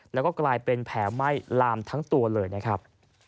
แล้วก็กลายเป็นแผลไหม้ลามทั้งตัวเลยนะครับ